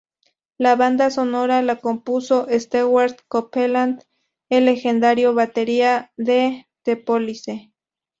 La banda sonora la compuso Stewart Copeland, el legendario batería de The Police.